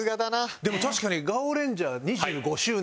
でも確かに。